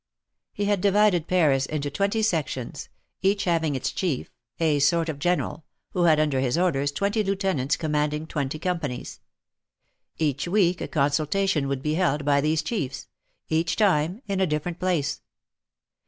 He had divided Paris into twenty sections, each having its chief, a sort of general, who had under his orders twenty lieutenants commanding twenty companies. Each week a consultation would be held by these chiefs ; each time in a different place.